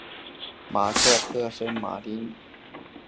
马克特圣马丁是奥地利布尔根兰州上普伦多夫县的一个市镇。